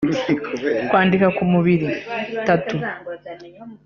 kwandika ku mubiri(tattoos)